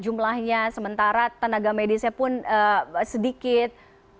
jumlahnya sementara tenaga medisnya pun sedikit